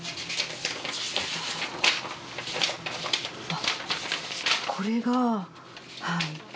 あっこれがはい。